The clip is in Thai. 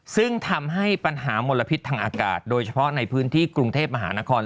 ซึ่งทำให้ปัญหามลพิษทางอากาศโดยเฉพาะในพื้นที่กรุงเทพมหานคร